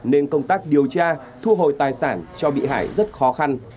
nên công tác điều tra thu hồi tài sản cho bị hại rất khó khăn